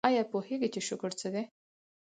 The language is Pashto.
ایا پوهیږئ چې شکر څه دی؟